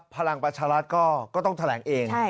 พลังปัชฌาลัศน์ก็ต้องแทลงเอง